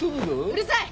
うるさい！